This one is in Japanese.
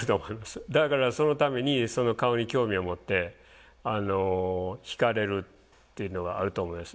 だからそのためにその顔に興味を持って惹かれるっていうのはあると思います。